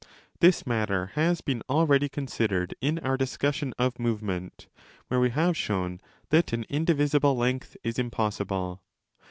This matter has been already considered 10 in our discussion of movement, where we have shown that an indivisible length is impossible.'!.